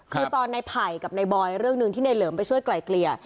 คือตอนในไผ่กับในบอยเรื่องหนึ่งที่ในเหลิมไปช่วยไกลเกลี่ย